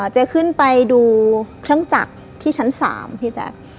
เจ๊ขึ้นไปดูเครื่องจักรที่ชั้น๓พี่แจ๊ค